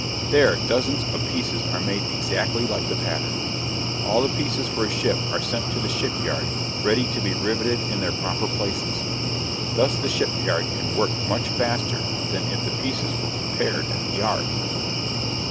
There dozens of pieces are made exactly like the pattern. All the pieces for a ship are sent to the shipyard ready to be riveted in their proper places. Thus the shipyard can work much faster than if the pieces were prepared at the yard.